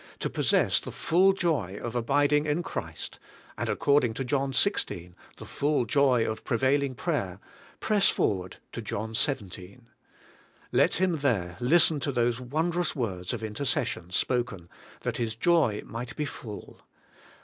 to possess the full joy of abiding in Christ, and according to John xvi., the 190 ABIDE IN CHRIST: full joy of prevailing prayer, press forward to John xvii. Let him there listen to those wondrous words of intercession spoken, that his joy might be full.